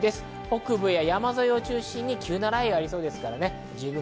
北部や山沿いを中心に急な雷雨がありそうです。